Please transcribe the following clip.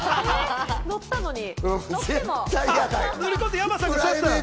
乗ったのに？